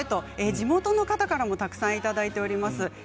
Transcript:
地元の方からもたくさんいただいております。